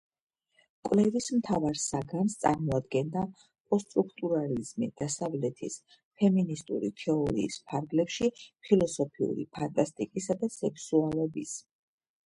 კვლევის მთავარ საგანს წარმოადგნდა პოსტსტრუქტურალიზმი დასავლეთის ფემინისტური თეორიის ფარგლებში, ფილოსოფიური ფანტასტიკისა და სექსუალობის.